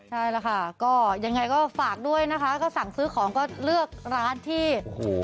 ใช่ล่ะค่ะก็ยังไงก็ฝากด้วยนะคะก็สั่งซื้อของก็เลือกร้านที่โอ้โห